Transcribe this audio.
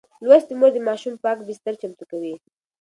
لوستې مور د ماشوم پاک بستر چمتو کوي.